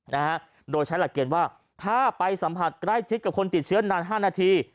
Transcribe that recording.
นะฮะโดยใช้หลักเกณฑ์ว่าถ้าไปสัมผัสใกล้ชิดกับคนติดเชื้อนานห้านาที